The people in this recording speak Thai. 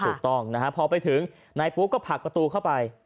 ถูกต้องพอไปถึงในปุ๊กก็ผักประตูเข้าไป